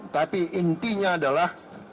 tapi intinya adalah